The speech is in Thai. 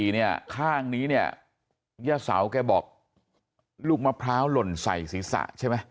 เนี่ยข้างนี้เนี่ยย่าเสาแกบอกลูกมะพร้าวหล่นใส่ศีรษะใช่ไหม